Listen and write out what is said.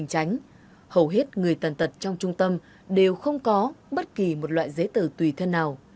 hầu hết người tàn tật trong trung tâm đều không có bất kỳ một loại giấy tờ tùy thân nào